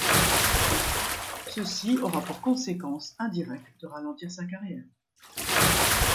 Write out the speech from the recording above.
Ceci aura pour conséquence indirecte de ralentir sa carrière.